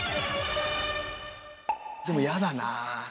でもやだなあ。